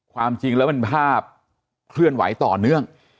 ความจริงแล้วมันภาพเคลื่อนไหวต่อเนื่อง